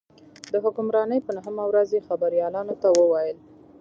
د حکمرانۍ په نهمه ورځ یې خبریالانو ته وویل.